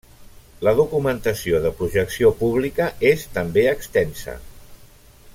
La documentació de projecció pública és també extensa.